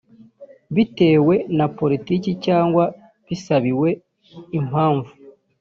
bitewe na politiki cyangwa bisabiwe impamvu